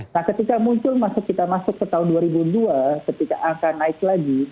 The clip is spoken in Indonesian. nah ketika muncul kita masuk ke tahun dua ribu dua ketika angka naik lagi